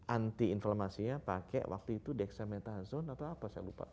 anti inflammasinya pakai waktu itu dexamethasone atau apa